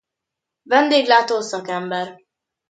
Vendéglátó szakember.